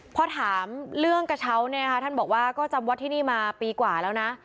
พอถามเรื่องกระเช้าเนี่ยนะคะท่านบอกว่าก็จำวัดที่นี่มาปีกว่าแล้วนะ